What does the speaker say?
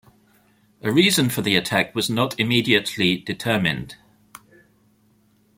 A reason for the attack was not immediately determined.